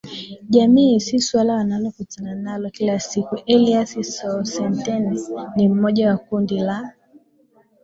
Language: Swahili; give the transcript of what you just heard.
jamii ni suala wanalokutana nalo kila siku Elias Sostenes ni mmoja wa kundi la